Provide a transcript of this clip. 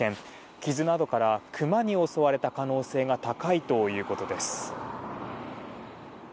傷などからクマに襲われた可能性が高いということです。